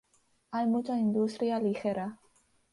Hay mucha industria ligera.